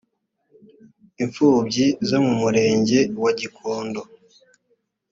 imfubyi zo mu murenge wa gikondo